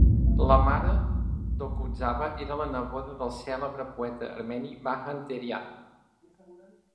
La mare d'Okudzava era la neboda del cèlebre poeta armeni Vahan Terian.